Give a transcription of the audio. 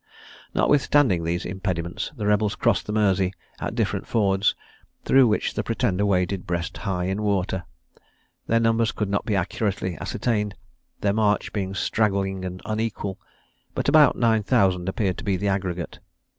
Notwithstanding these impediments, the rebels crossed the Mersey at different fords, through which the Pretender waded breast high in water. Their numbers could not be accurately ascertained, their march being straggling and unequal, but about nine thousand appeared to be the aggregate.